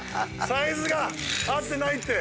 サイズが合ってないって！